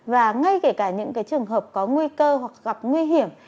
và ngay kể cả những trường hợp có nguy cơ hoặc gặp nguy hiểm